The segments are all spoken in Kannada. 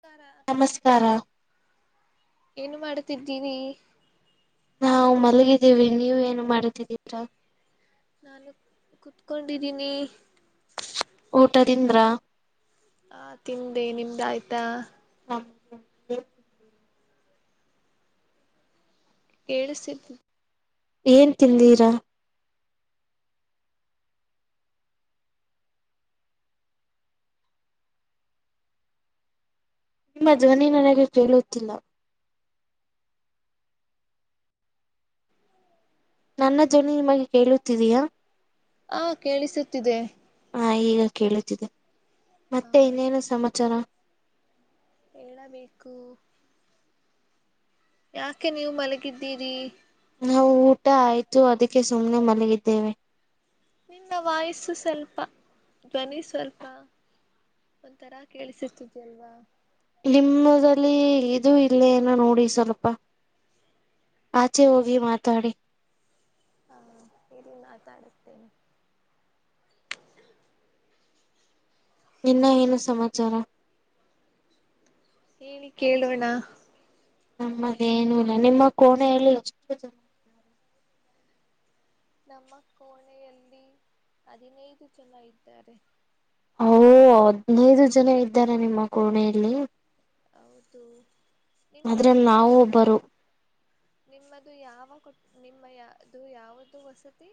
ಸ [inaudible] ನಮಸ್ಕಾರ ಏನು ಮಾಡ್ತಿದ್ದೀನಿ ನಾವು ಮಲಗಿದ್ದೀವಿ ನೀವ ಏನು ಮಾಡತಿದ್ದೀರಾ ನಾನು ಕುತ್ಕೊಂಡಿದ್ದೀನಿ ಊಟಾ ತಿಂದ್ರ ಹ ತಿಂದೆ ನಿಮ್ದ ಆಯ್ತಾ ಹ ಕೆಳಸಿದ್ದ ಏನ್ ತಿಂದಿರಾ ನಿಮ್ಮ ಧ್ವನಿ ನನಾಗಿ ಕೇಳುತ್ತಿಲ್ಲ ನನ್ನ ಧ್ವನಿ ನಿಮಗೆ ಕೇಳುತ್ತಿದೀಯಾ ಆ ಕೇಳಿಸುತ್ತಿದೆ ನಾ ಈಗ ಕೇಳುತ್ತಿದೆ ಮತ್ತೆ ಹ ಇನ್ನೇನು ಸಮಾಚಾರ ಹೇಳಬೇಕು ಯಾಕೆ ನೀವು ಮಲಗಿದ್ದೀರಿ ನಾವು ಊಟ ಆಯ್ತು ಅದಕ್ಕೆ ಸುಮ್ಮನೆ ಮಲಗಿದ್ದೇವೆ ನಿನ್ನ ವಾಯಸ್ಸು ಸ್ವಲ್ಪ ಧ್ವನಿ ಸ್ವಲ್ಪ ಒಂಥರ ಕೇಳಿಸಿರ್ತಿದ ಅಲ್ವಾ ನಿಮ್ಮದಲ್ಲಿ ಇದು ಇಲ್ಲೇನ ನೋಡಿ ಸ್ವಲ್ಪ ಆಚೆ ಹೋಗಿ ಮಾತಾಡಿ ಹ ಇಲ್ಲಿ ಮಾತಾಡುತ್ತೇನೆ ನಿನ್ನ ಏನು ಸಮಾಚಾರ ಏನಿ ಕೇಳುವಣ ನಮ್ಮಗೇನುೂ ಇಲ್ಲ ನಿಮ್ಮ ಕೋಣೆಯಲ್ಲಿ ಎಷ್ಟು ಜನ ನಮ್ಮ ಕೋಣೆಯಲ್ಲಿ ಹದಿನೈದು ಜನ ಇದ್ದಾರೆ ಓ ಹದನೈದು ಜನ ಇದ್ದಾರೆ ನಿಮ್ಮ ಕೋಣೆಯಲ್ಲಿ ಹೌದು ಅದ್ರಲ್ಲಿ ನಿಮ್ಮದ್ದು ನಾವು ಯಾವ ಒಬ್ಬರು ನಿಮ್ಮದು ಯಾವ ಕೊಟ್ ನಿಮ್ಮ ಯದು ಯಾವದು ವಸತಿ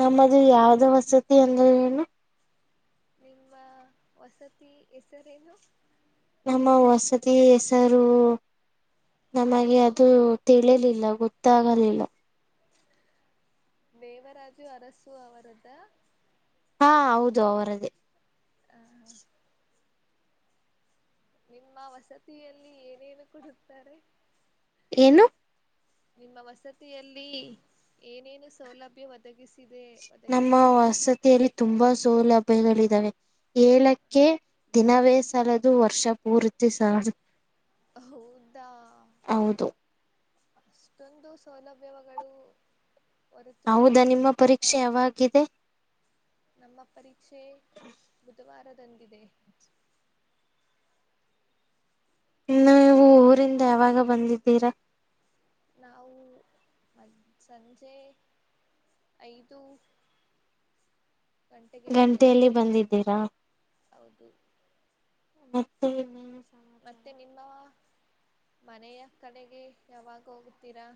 ನಮ್ಮದು ಯಾವ್ದ ವಸತಿ ಅಂದ್ರ ಏನು ನಿಮ್ಮ ವಸತಿ ಹೆಸರೇನು ನಮ್ಮ ವಸತಿ ಹೆಸರು ನಮಗೆ ಅದು ತಿಳಿಲಿಲ್ಲ ಗೊತ್ತಾಗಲಿಲ್ಲ ದೇವರಾಜು ಅರಸು ಅವರದ್ದ ಹಾ ಹೌದು ಅವರದ ಹ ಹ ನಿಮ್ಮ ವಸತಿಯಲ್ಲಿ ಏನೇನು ಕೊಡುತ್ತಾರೆ ಏನು ನಿಮ್ಮ ವಸತಿಯಲ್ಲಿ ಏನೇನು ಸೌಲಭ್ಯ ಒದಗಿಸಿ ನಮ್ಮ ವಸತಿಯಲ್ಲಿ ತುಂಬಾ ಸೌಲಭ್ಯಗಳಿದಾವೆ ಹೇಳಕ್ಕೆ ದಿನವೇ ಸಾಲದು ವರ್ಷಪೂರ್ತಿ ಸಾಲದು ಹೌದಾ ಹೌದು ಅಷ್ಟೊಂದು ಸೌಲಭ್ಯಗಳು ಹೌದಾ ನಿಮ್ಮ ಪರೀಕ್ಷೆ ಹೊರತುಪಡಿಸಿಕೊಟ್ಟಿದ್ದಾರಾ ಯಾವಾಗಿದೆ ನಮ್ಮ ಪರೀಕ್ಷೆ ಬುಧವಾರದ ತಂದಿದೆ ಇನ್ನು ನೀವು ಊರಿಂದ ಯಾವಾಗ ಬಂದಿದ್ದೀರಾ ನಾವು ಮದ್ ಸಂಜೆ ಐದು ಗಂಟೆಗೆ ಬಂದೇವೆ ಗಂಟೆಯಲ್ಲಿ ಬಂದಿದ್ದೀರಾ ಹೌದು ತ್ತೆ ಏನು ಮತ್ತೆ ನಿಮ್ಮ ಮನೆಯ ಕಡೆಗೆ ಯಾವಾಗ ಹೋಗುತ್ತೀರಾ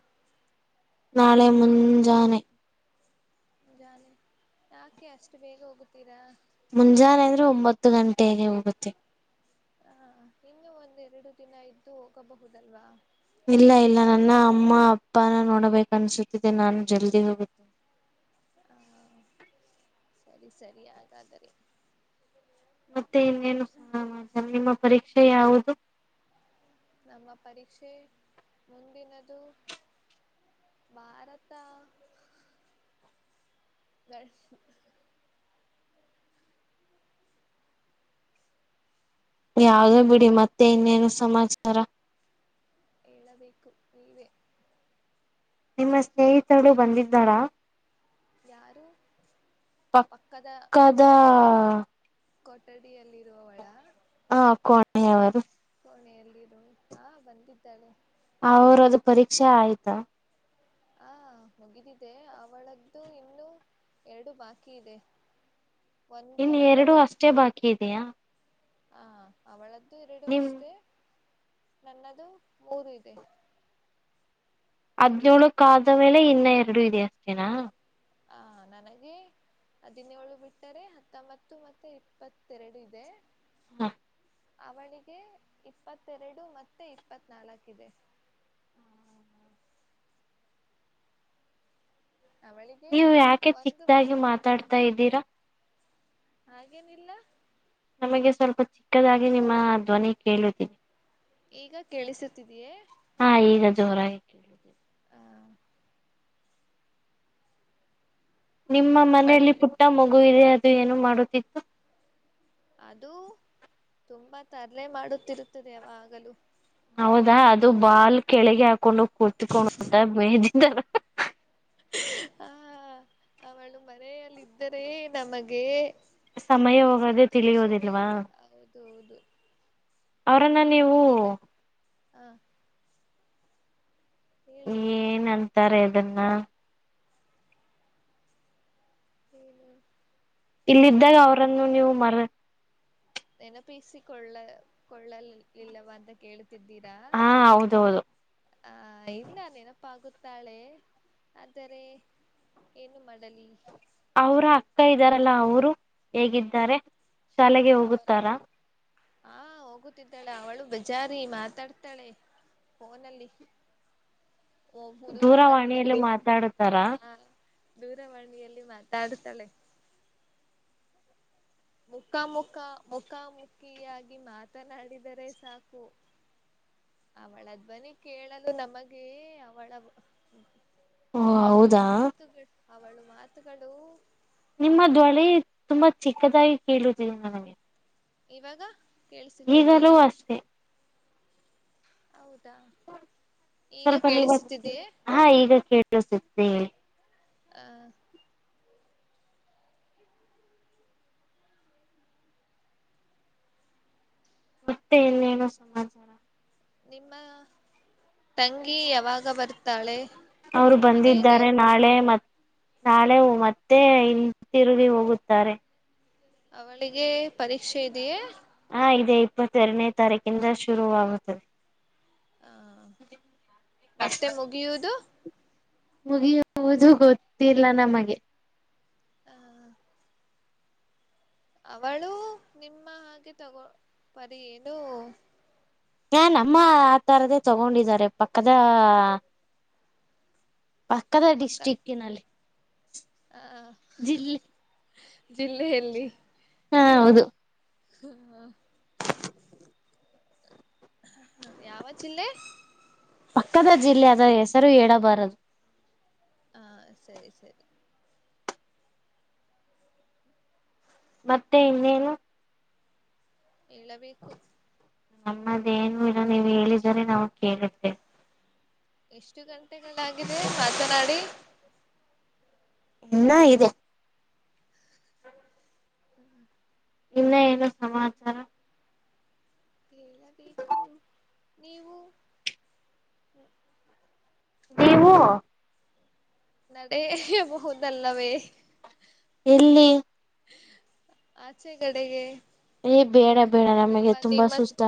ನಾಳೆ ಮುಂಜಾನೆ ಮುಂಜಾನೆ ಯಾಕೆ ಅಷ್ಟು ಬೇಗ ಹೋಗುತ್ತೀರಾ ಮುಂಜಾನೆ ಅಂದ್ರೆ ಒಂಬತ್ತು ಗಂಟೆಗೆ ಹೋಗುತ್ತೆ ಹಾ ಇನ್ನು ಒಂದೆರಡು ದಿನ ಇದ್ದು ಹೋಗಬಹುದಲ್ವಾ ಇಲ್ಲ ಇಲ್ಲ ನನ್ನ ಅಮ್ಮ ಅಪ್ಪನ ನೋಡಬೇಕ ಅನ್ಸುತ್ತಿದೆೆ ನಾನು ಜಲ್ದಿ ಹೋಗುತ್ತೇನೆ ಆ, ಸರಿ ಸರಿ ಹಾಗಾದರೆೆ ಮತ್ ತ್ತೇ ಇನ್ನೇನು ಸಮಾಚರ ನಿಮ್ಮ ಪರೀಕ್ಷೆ ಯಾವುದು ನಮ್ಮ ಪರೀಕ್ಷೆ ಮುಂದಿನದು ಭಾರತ ಯಾವ್ದೋ ಬಿಡಿ ಮತ್ತ ತ್ತೇ ಇನ್ನೇನು ಸಮಾಚಾರ ರ ಹೇಳಬೇಕು ನೀವೇ ನಿಮ್ಮ ಸ್ನೇಹಿತಳು ಬಂದಿದ್ದಾಳ ಯಾರು ಪಕ್ಕದ ಕೊಠಡಿಯಲ್ಲಿರುವವಳ ಹಾ ಕೋಣೆಯವರು ಮನೆಯಲ್ಲಿರು ಹಾ ಬಂದಿದ್ದಾಳೆ ಅವ್ರದು ಪರೀಕ್ಷೆ ಆಯ್ತಾ ಹ ಮುಗಿದಿದೆ ಅವಳದ್ದು ಇನ್ನು ಎರಡು ಬಾಕಿ ಇದೆ ಒಂದು ಇನ್ ಎರಡು ಅಷ್ಟೇ ಬಾಕಿತ್ತು ಯಾ ಹಾ ಅವಳದ್ದ ಎರಡು ಅಷ್ಟೇ ನನ್ನದು ಮೂರು ಇದೆ ಹದ್ನೋಳಕ್ ಆದ ಮೇಲೆ ಇನ್ನ ಎರಡು ಇದೆ ಅಷ್ಟೇನಾ ಹ ನನಗೆ ಹದಿನೇಳು ಬಿಟ್ಟರೆ ಹತ್ತೊಂಬತ್ತು ಮತ್ತು ಇಪ್ಪತ್ತೆರಡು ಇದೆ ಹಾ ಅವಳಿಗೆ ಇಪ್ಪತ್ತೆರಡು ಮತ್ತೆ ಇಪ್ಪತ್ ನಾಲ್ಕ ಇದೆ ಅವಳಿಗೆ ನೀವು ಯಾಕೆ ಒಂದು ವಾರ ಚಿಕ್ದಾಗಿ ರಜೆ ಮಾತಾಡ್ತಾ ಇದ್ದೀರಾ ಹಾಗೇನಿಲ್ಲ ನಮಗೆ ಸ್ವಲ್ಪ ಚಿಕ್ಕದಾಗಿ ನಿಮ್ಮ ಧ್ವನಿ ಕೇಳುತ್ತೀದೆ ಈಗ ಕೇಳಿಸುತ್ತಿದಿಯೇ ಹಾ ಈಗ ಜೋರಾಗಿ ಕೇಳುತ್ತಿದೆ ನಿಮ್ಮ ಅವಳ ಮನೇಲಿ ಪುಟ್ಟ ಮ ಗುಯರಿ ಅದು ಏನು ಮಾಡುತ್ತಿತ್ತು ಅದು ತುಂಬಾ ತರಲೆ ಮಾಡುತ್ತಿರುತ್ತದೆ ಯಾಗಲೂ ಹೌದಾ ಅದು ಬಾಲ್ ಕೆಳಗೆ ಹಾಕೊಂಡು ಕುತ್ಕೊಂಡತ ಮದ. ದರ. ಹಾ ಇದ್ದರೆ ನಮ್ಮಗೆ ಸಮಯ ಹೋಗೋದೇ ಸಂತೋಷವೇ ತಿಳಿಯೋದಿಲ್ವಾ ಹೌದು ಹೌದು ಅವರನ್ನ ನೀವು ದಿನ ಹ. ಏನ್ ತ್. ಇತಾರೆ ಅದನ್ನ. ಹ್ಮ್ಮ ಇಲ್ಲಿದ್ದಾಗ ಅವ್ರನ್ನು ನೀವು ಮರ ನೆನಪಿಸಿಕೊಳ್ಳ ಕೊಳ್ಳಲ ಇಲ್ಲವ ಅಂತ ಕೇಳ ರಾ ಹಾ ಹೌದೌದು ಆ ಇಲ್ಲ ನಪ್ಪ ಆಗುತ್ತ ತಾಳೆ ಆದರೆ ಏನು ಮಾಡಲಿ ಅವ್ರ ಅಕ್ಕ ಇದ್ದಾರಲ್ಲ ಅವರು ಹೇಗಿದ್ದಾರೆ ಶಾಲೆಗೆ ಅವರ ಹೋಗುತ್ತಾರಾ ಹಾ ಹೋಗುತ್ತಿದ್ದಾಳ ಅವಳು ಬಜಾರಿ ಮಾತಾಡ್ತಾಳೆ ಫೋನಲ್ಲಿ ದೂರವಾಣಿಯಲ್ಲ ದೂರವಾಣಿಯಲ್ಲಿ ಮಾತಾಡತಾರಾ ಆ ದೂರವಾಣಿಯಲ್ಲಿ ಮಾತಾಡ್ತಾಳೆ ಮುಖ ಮುಖ ಮುಖಾಮುಖಿಯಾಗಿ ಮಾತನಾಡಿದರೆ ಸಾಕು ಅವಳದಧ್ವನಿ ಕೇಳಲು ನಮಗೆ ಅವಳ ಓ ಹೌದಾ ಮಾತುಕ ಅವಳು ಮಾತು ಗಳು ನಿಮ್ಮ ದಳೆ ತುಂಬಾ ಚಿಕ್ಕದಾಗಿ ಕೇಳುದಿ ನನಗೆ ಇವಾಗ ಈಗಲವೂ ಅಷ್ಟೆ ಹೌದು ಸ್ವಲ್ಪ ನೀವ ಕೇಳಿಸುತ್ತಿದೆಯೇ ಹಾ ಈಗ ಕೇಳ ಸುತ್ತ ಹ ಮತ್ತೆ ಇನ್ನೇನೋ ಸಮಾಚಾರ ನಿಮ್ಮ ತಂಗಿ ಯಾವಾಗ ಬರ್ತ ಅವರು ಬಂದಿದ್ದಾರೆ ನಾಳೆ ಮತ್ತೆ ನಾಳೆ ಮತ್ತೆ ಇಂತಿರುಗಿ ಹೋಗುತ್ತಾರೆ ಅವಳಿಗೆ ಪರೀಕ್ಷೆ ಇದೆಯೇ ಹಾ ಇದೆ ಇಪ್ಪತ್ತೆರಡನೇ ತಾರೀಕಿಂದ ಶುರುವಾಗುತ್ತದೆ ಹಾ ಮತ್ತೆ ಮುಗಿಯುವುದು ಮುಗಿಯುವುದು ಗೊತ್ತಿಲ್ಲ ನಮಗೆ ಹ ಅವಳು ನಿಮ್ಮ ಹಾಗೆ ತಗೋ ಪರಿ ಏನು ಹಾ ನಮ್ಮ ಆ ತರದೇ ತಗೊಂಡಿದಿದ್ದಾರೆ ಪಕ್ಕದ ಪಕ್ಕದ ಪಕ್ಕ ಡಿಸ್ಟಿಕ್ನಲ್ಲಿ ಜಿಲ್ಲೆ ಜಿಲ್ಲೆಯಲ್ಲಿ ಹಾ ಹೌದು ಹಾ ಯಾವ ಜಿಲ್ಲೆ ಪಕ್ಕದ ಜಿಲ್ಲೆ ಅದ ಹೆಸರು ಹೇಳಬಾರದು ಹಾ ಸರಿ ಸರಿ ಮತ್ತೆ ಇನ್ನೇನು ಹೇಳಬೇಕು ನಮ್ಮದೇನು ಇಲ್ಲ ನೀವು ಹೇಳಿದರೆ ನಾ ಕೇಳುತ್ತೆ ಎಷ್ಟ ಎಷ್ಟು ಗಂಟೆಗಳಾಗಿದೆ ಮಾತನಾಡಿ ಇನ್ನ ಇದೆ ಹ್ಮ್ ಹ್ಮ್ ಇನ್ನ ಏನು ಸಮಾಚಾರ ಹೇಳಬೇಕು ನೀವು ನೀವು ನಡೆಬಹುದಲ್ಲವೇ ಎಲ್ಲಿ ಆಚೆ ಕಡೆಗೆ ಏ ಬೇಡ ಬೇಡ ನಮಗೆ ತುಂಬಾ ಸುಸ್ತ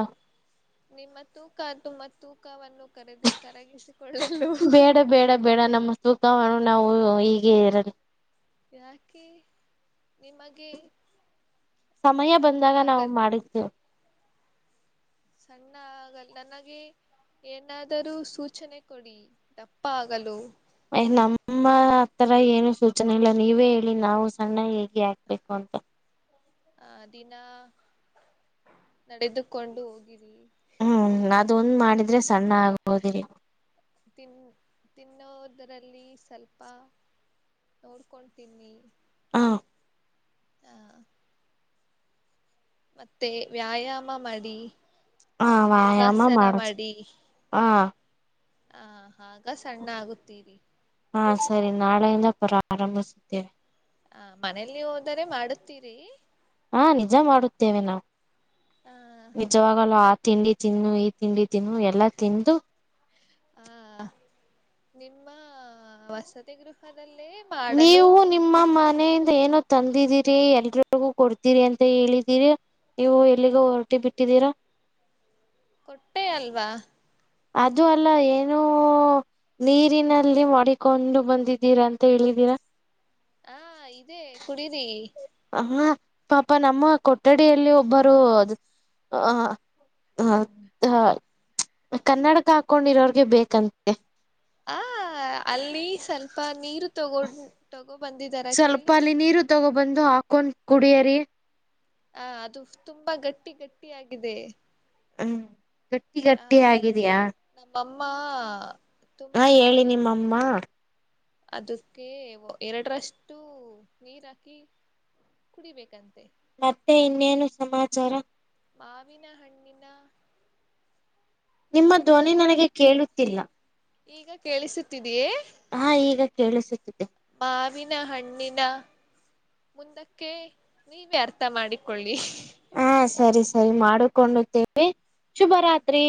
ನಿಮ್ಮ ತೂಕ ತುಂಬ ತೂಕವನ್ನು ಕರೆದ ಕರಗಿಸ ಬೇಡ ಬೇಡ ಬೇಡ ನಮ್ಮ ತೂಕ ತೂಕ ನಾವು ಹೀಗೆ ಇರಲಿ ಯಾಕೆ ನಿಮಗೆ ಸಮಯ ಸಣ್ಣ ಬಂದಾಗ ನಾವು ಆಗಲ್ ಮಾಡಿದ್ದೇವೆ ಸಣ್ಣ ಆಗಲ್ ನನಗೆ ಏನಾದರೂ ಸೂಚನೆ ಕೊಡಿ ದಪ್ಪ ಆಗಲು ಏ ನಮ್ಮ ಹತ್ರರ ಏನು ಸೂಚನೆ ಇಲ್ಲ ನೀವೇ ಹೇಳಿ ನಾವು ಸಣ್ಣ ಹೇಗೆ ಹಾಗಬೇಕು ಅಂತ ಆ ದಿನ ನಡೆದುಕೊಂಡು ಹೋಗಿ ಹ್ಮ್ ಅದು ಒಂದು ಮಾಡಿದ್ರೆ ಸಣ್ಣ ಆಗಬಹುದು ರಿ ತಿನ್ ತಿನ್ನೋದ್ರಲ್ಲಿ ಸ್ವಲ್ಪ ನೋಡ್ಕೊಂಡ್ ತಿನ್ನಿ ಹ ಹಾ ಮತ್ತೆ ವ್ಯಾಯಾಮ ಮಾಡಿ ಹಾ ವಾಯಾಮ ಯೋಗಾಸನ ಮಾಡತಿನಿ ಹಾ ಹ ಹಾಗ ಸಣ್ಣ ಆಗುತ್ತೀರಿ ಹಾ ಸರಿ ನಾಳೆಯಿಂದ ಪ್ರಾರಂಭಿಸುತ್ತೇನೆ ಹ ಮನೇಲಿ ಹೋದರೆ ಮಾಡುತ್ತೀರಿ ಹಾ ನಿಜ ಮಾಡುತ್ತೇವೆ ನಾವು ಆ ನಿಜವಾಗಲ ಆ ತಿಂಡಿ ತಿನ್ನು ಈ ತಿಂಡಿ ತಿನ್ನು ಎಲ್ಲಾ ತಿಂದು ಹ ನಿಮ್ಮ ವಸತಿ ಗೃಹ ನೀವು ನಿಮ್ಮ ಮನೆಯಿಂದ ಏನ ತಂದಿದ್ದೀರಿ ಎಲ್ರಗೂ ಕೊಡ್ತೀರಿ ಅಂತ ಹೇಳಿದೀರಿ ನೀವು ಎಲ್ಲಿಗ ಹೊರಟಿ ಬಿಟ್ಟಿದ್ದೀರಾ ಕೊಟ್ಟೆ ಅಲ್ವಾ ಅದು ಅಲ್ಲ ಏನ ನೀರಿನಲ್ಲಿ ಮಾಡಡಿಕೊಂಡು ಬಂದಿದ್ದೀರಾ ಅಂತ ಹೇಳಿದೀರಾ ಹಾ ಇದದೆ ಕುಡೀರಿ ಹಾ ಪಾಪ ನಮ್ಮ ಕೊಠಡಿಯಲ್ಲಿ ಒಬ್ಬರು ಅ ಕನ್ನಡಕ ಹಾಕೊಂಡಿರೋರ್ಗೆ ಬೇಕಂತೆ ಹ ಅಲ್ಲಿ ಸ್ವಲ್ಪ ನೀರು ತಗೊ ತಗೋ ಬಂದಿದಾರ ಕೇಳಿ ತಗೋ ಬಂದು ಹಾಕೊಂಡ್ ಕುಡಿಯರಿ ಹ ಅದು ತುಂಬಾ ಗಟ್ಟಿ ಗಟ್ಟಿ ಆಗಿದೆ ಹ್ಮ್ ಗಟ್ಟಿ ಗಟ್ಟಿ ಆಗಿದಯಾ ಮ್ಮಾ ಹಾ ಹೇಳಿ ನಿಮ್ಮಮ್ಮ ಅದಕ್ಕೆ ಎರಡರಷ್ಟು ನೀರ ಹಾಕಿ ಕುಡಿಬೇಕಂತೆ ಮತ್ತೆ ಇನ್ನೇನು ಸಮಾಚಾರ ಮಾವಿನ ಹಣ್ಣಿನಾ ನಿಮ್ಮ ಧ್ವನಿ ನನಗೆ ಕೇಳುತ್ತಿಲ್ಲ ಈಗ ಕೇಳಿಸುತ್ತಿದೀಯೇ ಹಾ ಈಗ ಕೇಳಿಸುತ್ತಿದೆ ಮಾವಿನ ಹಣ್ಣಿನ ಮುಂದಕ್ಕೆ ನೀವೇ ಅರ್ಥ ಮಾಡಿಕೊಳ್ಳಿ ಹ ಸರಿ ಸರಿ ಮಾಡಕೊಂಡುತ್ತೇವೆ ಶುಭರಾತ್ರಿ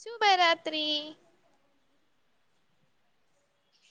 ಶುಭ ರಾತ್ರಿ